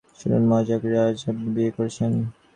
শুনুন মহামতি জাকারিয়া, আজ আপনি বিয়ে করেছেন।